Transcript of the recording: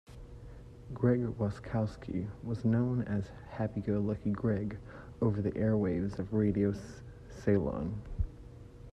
Greg Roskowski was known as 'Happy-go-lucky-Greg' over the airwaves of Radio Ceylon.